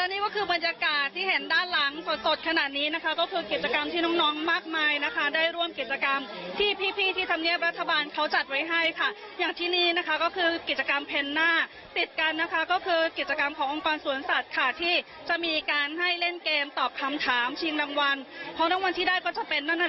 นี่ก็คือบรรยากาศที่เห็นด้านหลังสดสดขนาดนี้นะคะก็คือกิจกรรมที่น้องน้องมากมายนะคะได้ร่วมกิจกรรมที่พี่ที่ธรรมเนียบรัฐบาลเขาจัดไว้ให้ค่ะอย่างที่นี่นะคะก็คือกิจกรรมเพนหน้าติดกันนะคะก็คือกิจกรรมขององค์กรสวนสัตว์ค่ะที่จะมีการให้เล่นเกมตอบคำถามชิงรางวัลเพราะรางวัลที่ได้ก็จะเป็นนั่น